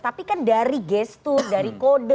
tapi kan dari gestur dari kode